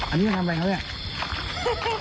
อันนี้ทำอะไรครับพี่อุ๋ย